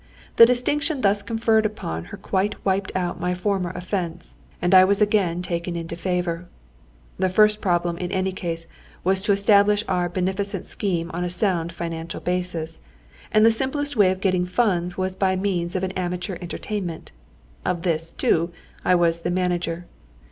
The distinction thus conferred upon her quite wiped out my former offence, and I was again taken into favour. The first problem in any case was to establish our beneficent scheme on a sound, financial basis, and the simplest way of getting funds was by means of an amateur entertainment. Of this, too, I was the manager.